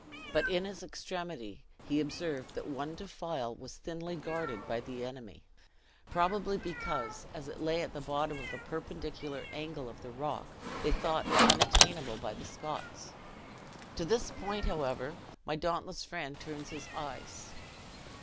But in his extremity, he observed that one defile was thinly guarded by the enemy; probably because, as it lay at the bottom of a perpendicular angle of the rock, they thought it unattainable by the Scots. To this point, however, my dauntless friend turns his eyes.